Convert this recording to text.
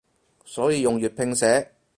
所以用粵拼寫